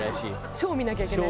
ショー見なきゃいけないし。